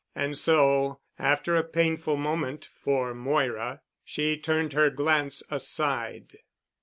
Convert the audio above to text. And so after a painful moment for Moira, she turned her glance aside.